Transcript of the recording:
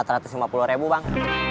empat ratus lima puluh ribu bang